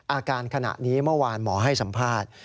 อาการขณะนี้เมื่อวานหมอให้สัมภาษณ์